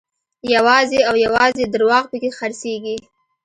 یوازې او یوازې درواغ په کې خرڅېږي.